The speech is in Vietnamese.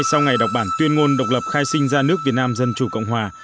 sau ngày đọc bản tuyên ngôn độc lập khai sinh ra nước việt nam dân chủ cộng hòa